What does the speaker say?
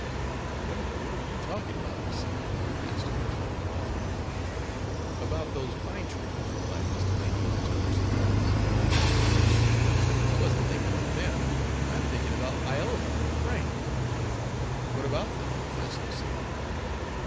"What in the world are you talking about, Lucille?" asked Harry, looking puzzled. "About those pine trees," replied Miss Delany, in a tone of surprise. "Pshaw, I wasn't thinking about them. I'm thinking about Iola and Frank." "What about them?" asked Lucille.